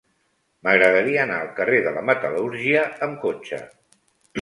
M'agradaria anar al carrer de la Metal·lúrgia amb cotxe.